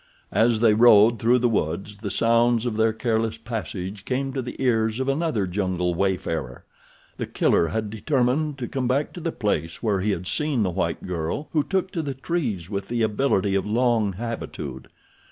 As they rode through the wood the sounds of their careless passage came to the ears of another jungle wayfarer. The Killer had determined to come back to the place where he had seen the white girl who took to the trees with the ability of long habitude.